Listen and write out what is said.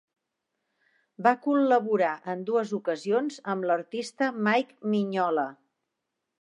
Va col·laborar en dues ocasions amb l"artista Mike Mignola.